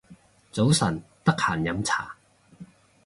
早晨，得閒飲茶